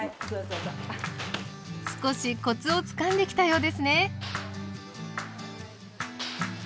少しコツをつかんできたようですね！